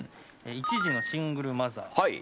１児のシングルマザー。